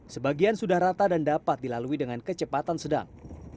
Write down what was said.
sebagian sudah rata dan dapat dilalui dengan kecepatan sedang